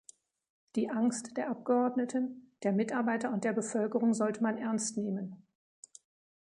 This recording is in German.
Die Angst der Abgeordneten, der Mitarbeiter und der Bevölkerung sollte man ernst nehmen.